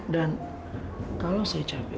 dan kalau saya capek